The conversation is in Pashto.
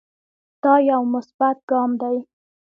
دا يو مثبت ګام دے